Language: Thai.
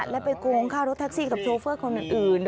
แล้วไปโกงข้าวรถทักซี่กับชาวเฟอร์คนอื่น